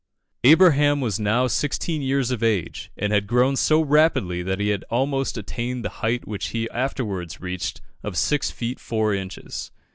Abraham was now sixteen years of age, and had grown so rapidly that he had almost attained the height which he afterwards reached of six feet four inches.